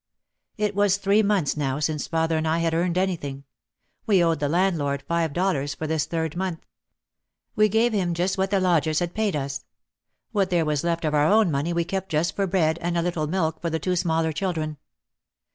It was three months now since father and I had earned anything. We owed the landlord five dollars for this third month. We gave him just what the lodgers had paid us. What there was left of our own money we kept just for bread and a little milk for the two smaller children.